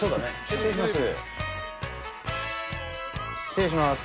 失礼します。